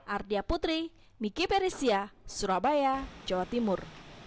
ardia putri miki peresia surabaya jawa timur